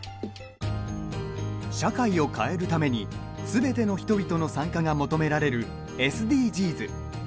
社会を変えるためにすべての人々の参加が求められるＳＤＧｓ。